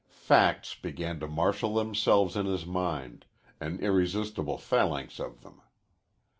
Facts began to marshal themselves in his mind, an irresistible phalanx of them.